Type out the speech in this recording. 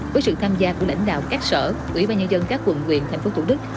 với sự tham gia của lãnh đạo các sở quỹ ba nhân dân các quận nguyện tp thủ đức